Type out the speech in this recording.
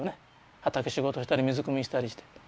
畑仕事したり水くみしたりして。